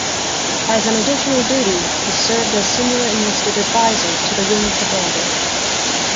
As an additional duty, he served as senior enlisted adviser to the wing commander.